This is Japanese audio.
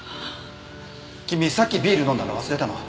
君さっきビール飲んだの忘れたの？